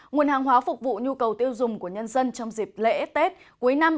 nguồn hàng hóa phục vụ nhu cầu tiêu dùng của nhân dân trong dịp lễ tết cuối năm